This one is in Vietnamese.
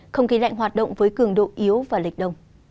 không kỳ lạnh hoạt động với cường độ yếu và lịch đồng